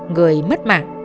người mất mạng